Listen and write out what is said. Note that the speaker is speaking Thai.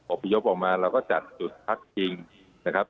พยพออกมาเราก็จัดจุดพักจริงนะครับ